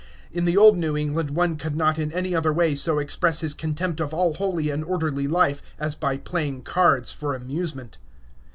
In the old New England one could not in any other way so express his contempt of all holy and orderly life as by playing cards for amusement.